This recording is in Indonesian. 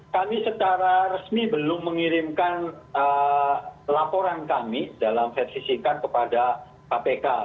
kami secara resmi belum mengirimkan laporan kami dalam versi singkat kepada kpk